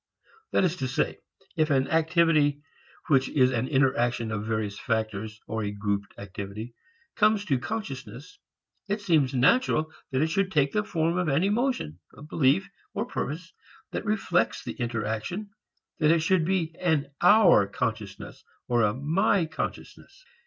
That is to say, if an activity which is an interaction of various factors, or a grouped activity, comes to consciousness it seems natural that it should take the form of an emotion, belief or purpose that reflects the interaction, that it should be an "our" consciousness or a "my" consciousness.